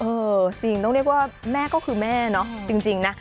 เออจริงต้องเรียกว่าแม่ก็คือแม่เนาะจริงนะ